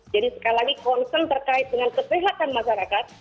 jadi sekali lagi konsen terkait dengan kesehatan masyarakat